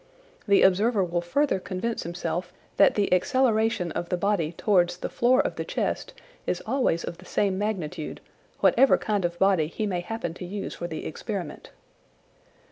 The observer will further convince himself that the acceleration of the body towards the floor of the chest is always of the same magnitude, whatever kind of body he may happen to use for the experiment.